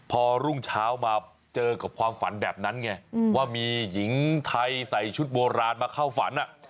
พอรุ่งเช้ามาเจอกับความฝันแบบนั้นไงว่ามีหญิงไทยใส่ชุดโบราณมาเข้าฝัน